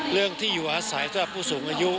เรื่องที่อยู่อาศัยสำหรับผู้สูงอายุ